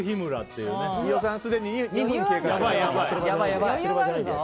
飯尾さんすでに２分経過してます。